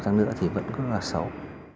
chẳng nữa thì vẫn rất là xấu